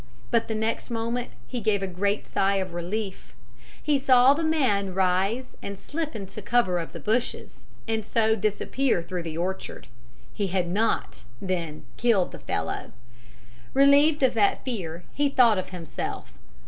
But the next moment he gave a great sigh of relief. He saw the man rise and slip into cover of the bushes, and so disappear through the orchard. He had not, then, killed the fellow! Relieved of that fear, he thought of himself.